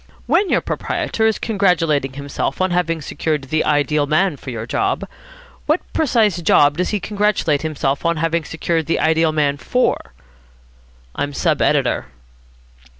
When your proprietor is congratulating himself on having secured the ideal man for your job, what precise job does he congratulate himself on having secured the ideal man for?" "I'm sub editor."